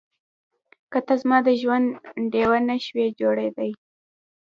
که ته زما د ژوند ډيوه نه شې جوړېدای.